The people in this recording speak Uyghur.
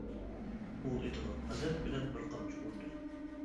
ئۇ ئېتىغا غەزەپ بىلەن بىر قامچا ئۇردى.